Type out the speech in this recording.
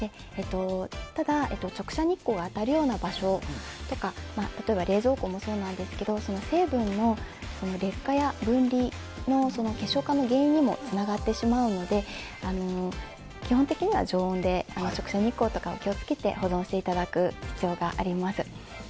ただ、直射日光が当たるような場所とか例えば、冷蔵庫もそうですが成分の劣化や分離結晶化の原因にもつながってしまうので基本的には常温で直射日光とかに気を付けて保存していただく必要があります。